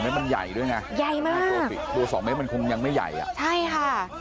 มันใหญ่ด้วยนะดูสองเมตรมันคงยังไม่ใหญ่อะใช่ค่ะใหญ่มาก